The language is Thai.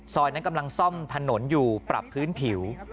ซอยนั้นกำลังซ่อมถนนอยู่ปรับพื้นผิว